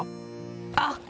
あっ！